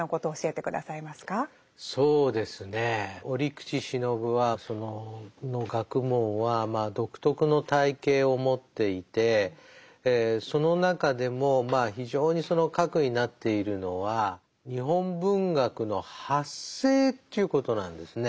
折口信夫はその学問は独特の体系を持っていてその中でもまあ非常にその核になっているのは日本文学の発生ということなんですね。